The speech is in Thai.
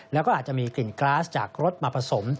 แล้วก็อาจจะมีกลิ่นกราสจากรถมาผสม